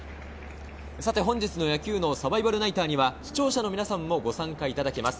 本日の野球脳サバイバルナイターには視聴者の皆さんもご参加いただけます。